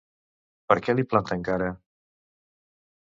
Per què li planten cara?